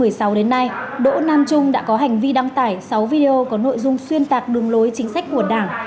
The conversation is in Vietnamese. từ năm hai nghìn một mươi sáu đến nay đỗ nam trung đã có hành vi đăng tải sáu video có nội dung xuyên tạc đường lối chính sách của đảng